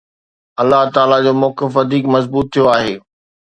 الله تعاليٰ جو موقف وڌيڪ مضبوط ٿيو آهي.